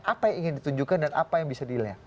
apa yang ingin ditunjukkan dan apa yang bisa dilihat